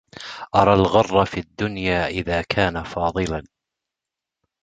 أرى الغر في الدنيا إذا كان فاضلا